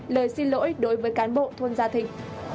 lời xin lỗi đối với cán bộ thôn gia thịnh